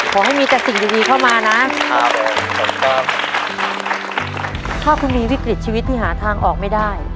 ขอให้มีแต่สิ่งดีดีเข้ามานะครับถ้าคุณมีวิกฤตชีวิตที่หาทางออกไม่ได้